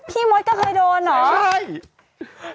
มดก็เคยโดนเหรอ